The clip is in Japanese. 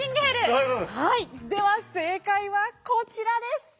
はいでは正解はこちらです！